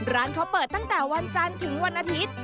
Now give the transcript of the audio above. ร้านเขาเปิดตั้งแต่วันจันทร์ถึงวันอาทิตย์